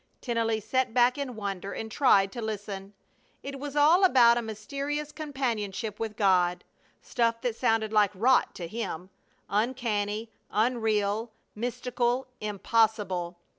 Tennelly sat back in wonder and tried to listen. It was all about a mysterious companionship with God, stuff that sounded like "rot" to him; uncanny, unreal, mystical, impossible!